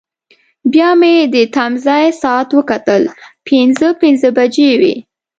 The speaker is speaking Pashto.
بیا مې د تمځای ساعت وکتل، پنځه پنځه بجې وې.